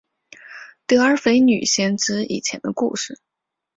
德尔斐女先知以前的故事。